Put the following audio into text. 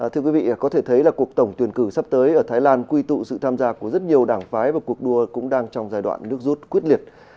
thưa quý vị có thể thấy là cuộc tổng tuyển cử sắp tới ở thái lan quy tụ sự tham gia của rất nhiều đảng phái và cuộc đua cũng đang trong giai đoạn nước rút quyết liệt